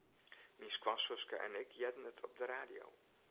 Myn skoansuske en ik hearden it op de radio.